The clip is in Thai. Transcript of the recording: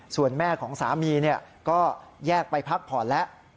ส่วนแม่ของสามีก็แยกไปพักผ่อนแล้ว